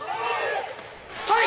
「はい！」。